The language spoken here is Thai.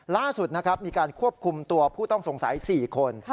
ล่าสุดนะครับมีการควบคุมตัวผู้ต้องสงสัย๔คน